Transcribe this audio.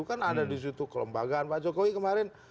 kan ada di situ kelembagaan pak jokowi kemarin